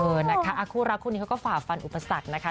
นะคะคู่รักคู่นี้เขาก็ฝ่าฟันอุปสรรคนะคะ